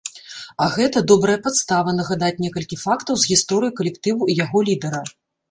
А гэта добрая падстава нагадаць некалькі фактаў з гісторыі калектыву і яго лідара.